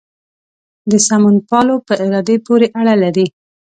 د سمونپالو په ارادې پورې اړه لري.